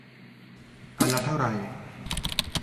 อันละเท่าไหร่